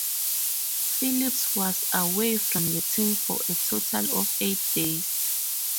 Phillips was away from the team for a total of eight days.